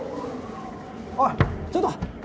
おいちょっと！